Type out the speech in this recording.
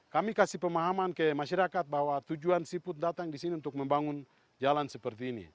kami kasih pemahaman ke masyarakat bahwa tujuan siput datang di sini untuk membangun jalan seperti ini